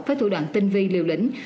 với thủ đoạn tinh vi liều lĩnh